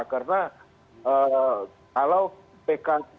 karena kalau pk